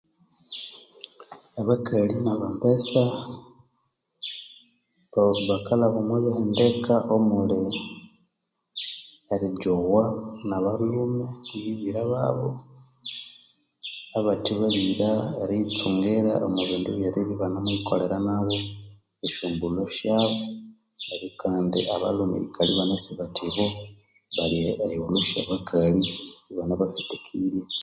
Abakali na bambesa um bakalhaba omwa bihendeka omuli erigyowa nabalhume kwihi bira babo abathe balighira eriyitsungira omwa bindu ebyeribya ibane muyikolera nabo esya mbulho syabo neryo kandi abalhume erikalha ibanasi bathi ibo bali eyighulho syabakali ibanababendekirye